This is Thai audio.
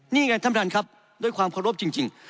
นี่ไงท่านประธานครับด้วยความเคารพจริง